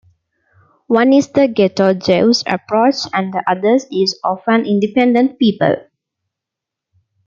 One is the ghetto Jew's approach and the other is of an independent people.